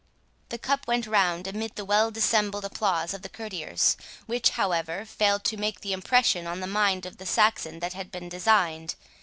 The cup went round amid the well dissembled applause of the courtiers, which, however, failed to make the impression on the mind of the Saxon that had been designed.